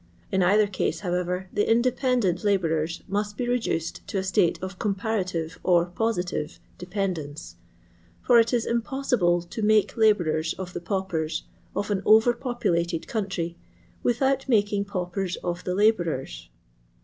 In either case, however, the independent labouren must be reduced to a state of comparative or positive dependence, ita it U tmpossibU to maie labourers qf the paupers qf an over populated country without making paupers qf the labourers.